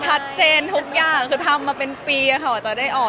ชัดเจนทุกอย่างคือทำมาเป็นปีค่ะจะได้ออก